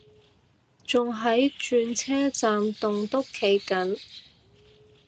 仲喺轉車站棟篤企緊